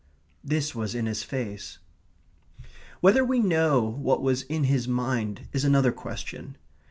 This was in his face. Whether we know what was in his mind is another question.